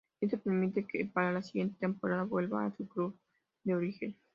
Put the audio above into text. Esto permite que para la siguiente temporada vuelva a su club de origen.